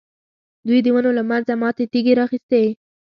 دوی د ونو له منځه ماتې تېږې را اخیستې.